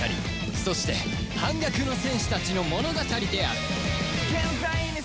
そして反逆の戦士たちの物語である